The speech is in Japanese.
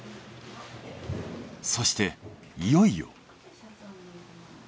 そしていよいよ。